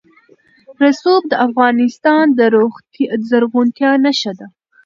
رسوب د افغانستان د زرغونتیا نښه ده.